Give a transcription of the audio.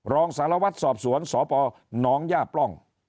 รองสารวัตรสอบสวนสปหนองย่าปล้อง